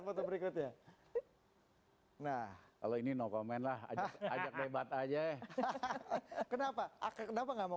foto berikutnya nah kalau ini no comment lah ajak ajak debat aja hahaha kenapa nggak mau